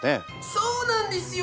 そうなんですよ！